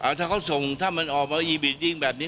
เป็นบันทักษะให้ทำได้แม่นาคตอ่าถ้าเขาส่งถ้ามันออกมาอีบีดดิ้งแบบนี้